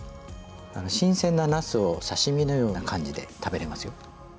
新鮮ななすを刺身のような感じで食べれますよ。